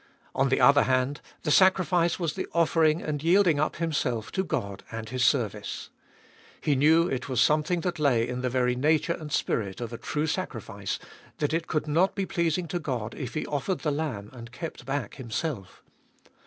On the other hand, the sacrifice was the offering and yielding up himself to God and His service. He knew it was something that lay in the very nature and spirit of a true sacrifice, that it could not be pleasing to God if he offered the lamb, and kept back himself.